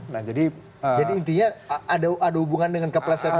nah jadi intinya ada hubungan dengan keplesetan